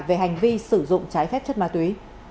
về hành vi sử dụng trái phép chất ma túy